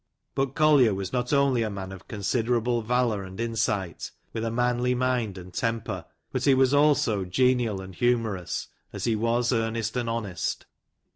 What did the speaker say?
But Collier was not only a man of considerable valour and insight, with a manly mind and temper, but he was also genial and humourous, as he was earnest and honest.